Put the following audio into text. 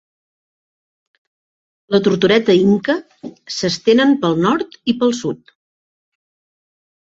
La tortoreta inca s'estenen pel nord i pel sud.